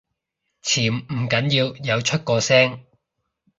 潛唔緊要，有出過聲